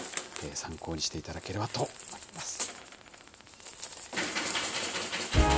参考にしていただければと思います。